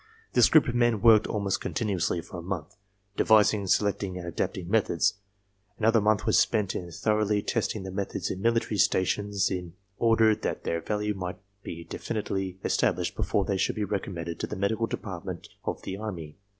This group of men worked almost continuously for a month, devising, se lecting and adapting methods. Another month was spent in thoroughly testing the methods in military stations in order that their value might be definitely established before they should be recommended , to the Medical Department of the Army.